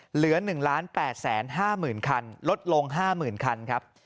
เหลือ๑๘๕๐๐๐คันลดลง๕๐๐๐คันครับ